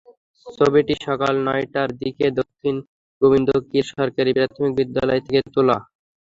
ছবিটি সকাল নয়টার দিকে দক্ষিণ গোবিন্দকিল সরকারি প্রাথমিক বিদ্যালয় থেকে তোলা।